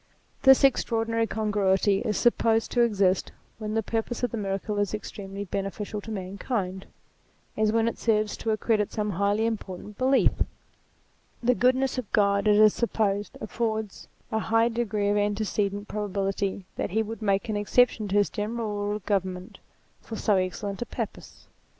This extraordinary congruity is supposed to exist when the purpose of the miracle is extremely beneficial to mankind, as when it serves to accredit some highly important belief. The goodness of God, it is supposed, affords a high degree of antecedent probability that he would make an exception to his general rule of govern ment, for so excellent a purpose.